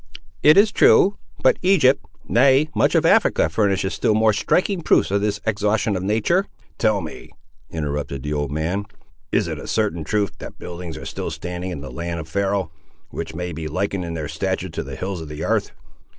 "It is true; but Egypt—nay much of Africa furnishes still more striking proofs of this exhaustion of nature." "Tell me," interrupted the old man, "is it a certain truth that buildings are still standing in that land of Pharaoh, which may be likened, in their stature, to the hills of the 'arth?"